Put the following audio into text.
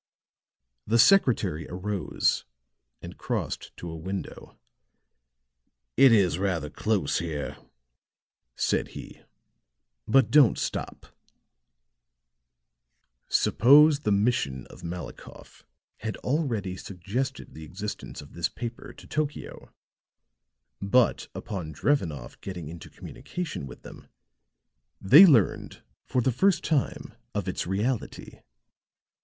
The secretary arose and crossed to a window. "It is rather close here," said he. "But don't stop." "Suppose the mission of Malikoff had already suggested the existence of this paper to Tokio; but upon Drevenoff getting into communication with them, they learned for the first time of its reality.